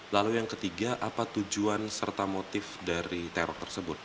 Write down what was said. lalu yang ketiga apa tujuan serta motif dari teror tersebut